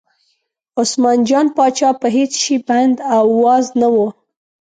عثمان جان پاچا په هېڅ شي بند او واز نه و.